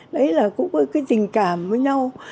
đấy là cũng có cái tình cảm với nhau